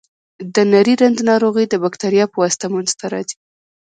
د نري رنځ ناروغي د بکتریا په واسطه منځ ته راځي.